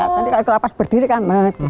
nanti kalau kelapas berdiri kan